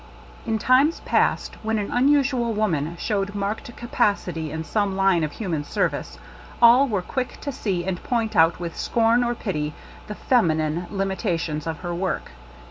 In times past, when an unusual woman showed marked capacity in some Hne of human service, all were quick to see and point out with scorn or pity, the "feminine limitations" of her work.